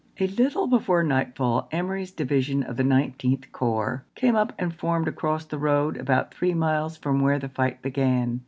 A little before nightfall Emory's division of the Nineteenth Corps came up and formed across the road about three miles from where the fight began.